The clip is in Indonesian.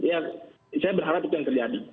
ya saya berharap itu yang terjadi